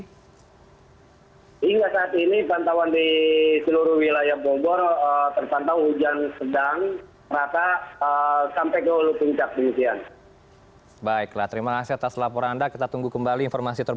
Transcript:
hingga saat ini pantauan di seluruh wilayah bogor terpantau hujan sedang merata sampai ke hulu puncak demikian